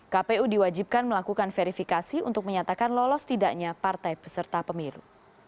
kpu diwajibkan melakukan verifikasi untuk menyatakan lolos tidaknya partai peserta pemilu